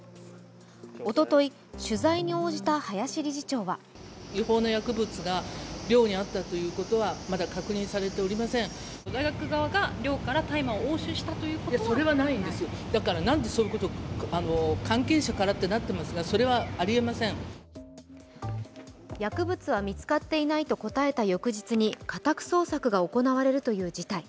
おととい、取材に応じた林理事長は薬物は見つかっていないと答えた翌日に家宅捜索が行われるという事態。